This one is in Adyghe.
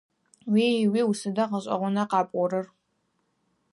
Уи-уиу! Сыдэу гъэшӏэгъона къапӏорэр!